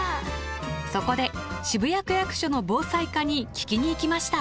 そこで渋谷区役所の防災課に聞きに行きました。